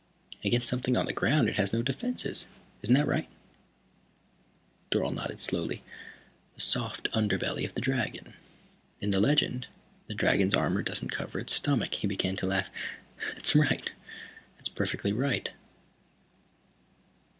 Against something on the ground it has no defenses. Isn't that right?" Dorle nodded slowly. "The soft underbelly of the dragon. In the legend, the dragon's armor doesn't cover its stomach." He began to laugh. "That's right. That's perfectly right."